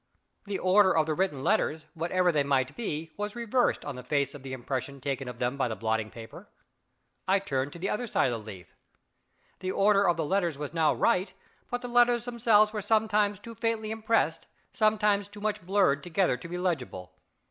The order of the written letters, whatever they might be, was reversed on the face of the impression taken of them by the blotting paper. I turned to the other side of the leaf. The order of the letters was now right, but the letters themselves were sometimes too faintly impressed, sometimes too much blurred together to be legible.